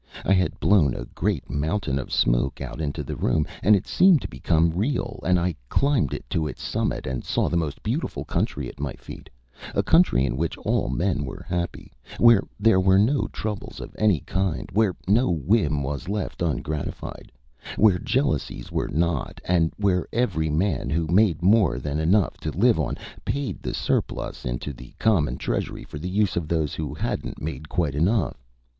I had blown a great mountain of smoke out into the room, and it seemed to become real, and I climbed to its summit and saw the most beautiful country at my feet a country in which all men were happy, where there were no troubles of any kind, where no whim was left ungratified, where jealousies were not, and where every man who made more than enough to live on paid the surplus into the common treasury for the use of those who hadn't made quite enough.